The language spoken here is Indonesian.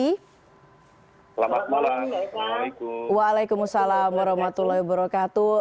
selamat malam waalaikumsalam warahmatullahi wabarakatuh